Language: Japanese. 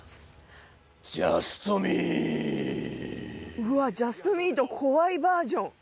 うわ、ジャストミート怖いバージョン。